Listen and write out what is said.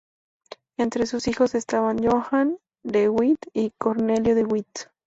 Entre sus hijos estaban Johan de Witt y Cornelio de Witt.